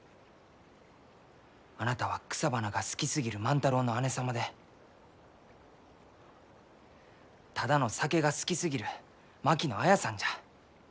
あなたは草花が好きすぎる万太郎の姉様でただの酒が好きすぎる槙野綾さんじゃ。